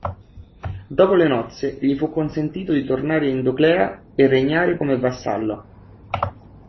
Dopo le nozze, gli fu consentito di tornare in Doclea e regnare come vassallo.